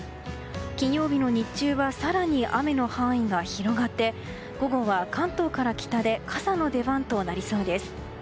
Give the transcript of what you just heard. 金曜日の日中は更に雨の範囲が広がって午後は関東から北で傘の出番となりそうです。